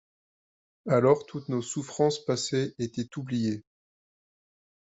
Alors toutes nos souffrances passées étaient oubliées.